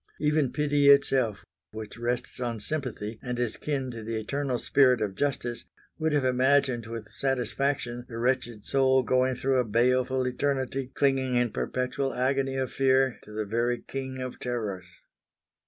Even pity itself which rests on sympathy and is kin to the eternal spirit of justice, would have imagined with satisfaction the wretched soul going through a baleful eternity clinging in perpetual agony of fear to the very King of Terrors.